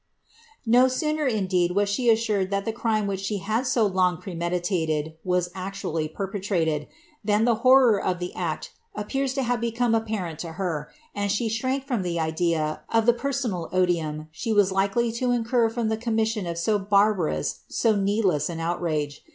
No sooner, indeed, was she assured thai the crime which she had u long premediuied was actually perpetrated, than the horror of ^ead appears to hare become apparent to herself, and she shrank from ibt idea of the personal odium she was likely lo incur from the commituoa of so barbarous, so needless an outrage.